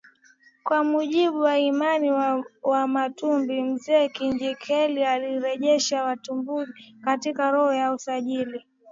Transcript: Kwa mjibu wa imani ya Wamatumbi mzee Kinjekitile aliwarejesha Wamatumbi katika roho ya ujasiri